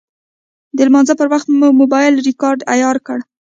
د لمانځه پر وخت مې موبایل ریکاډر عیار کړ.